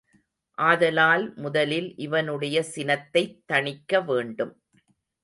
ஆதலால் முதலில் இவனுடைய சினத்தைத் தணிக்க வேண்டும்.